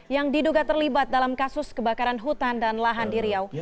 yang diduga terlibat dalam kasus kebakaran hutan dan lahan di riau